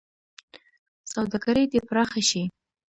سوداګري دې پراخه شي.